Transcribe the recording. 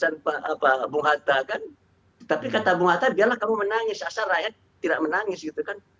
asal rakyat tidak menangis gitu kan